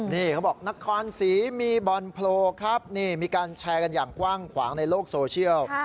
นี่เขาบอกนครศรีมีบอลโพลครับนี่มีการแชร์กันอย่างกว้างขวางในโลกโซเชียล